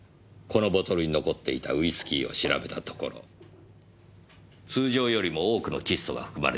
このボトルに残っていたウイスキーを調べたところ通常よりも多くの窒素が含まれている事がわかりました。